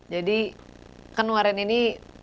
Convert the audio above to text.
jadi kan waran ini